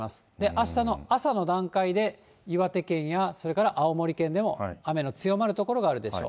あしたの朝の段階で、岩手県や、それから青森県でも雨の強まる所があるでしょう。